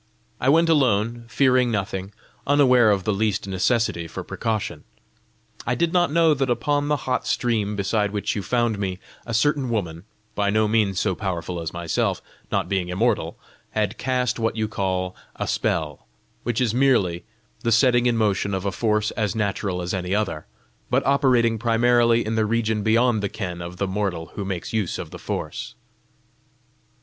I went alone, fearing nothing, unaware of the least necessity for precaution. I did not know that upon the hot stream beside which you found me, a certain woman, by no means so powerful as myself, not being immortal, had cast what you call a spell which is merely the setting in motion of a force as natural as any other, but operating primarily in a region beyond the ken of the mortal who makes use of the force.